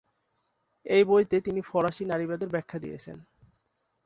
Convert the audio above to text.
এই বইতে তিনি ফরাসি নারীবাদের ব্যাখ্যা দিয়েছেন।